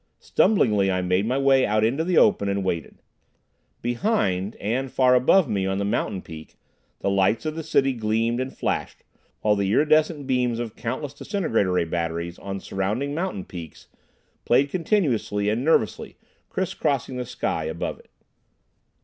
Stumblingly I made my way out into the open, and waited. Behind, and far above me on the mountain peak, the lights of the city gleamed and flashed, while the iridescent beams of countless disintegrator ray batteries on surrounding mountain peaks, played continuously and nervously, criss crossing in the sky above it.